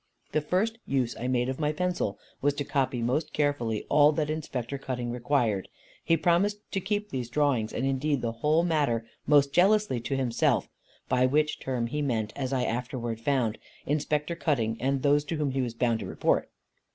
The first use I made of my pencil was to copy most carefully all that Inspector Cutting required. He promised to keep these drawings, and indeed the whole matter, most jealously to himself; by which term he meant, as I afterwards found, Inspector Cutting and those to whom he was bound to report.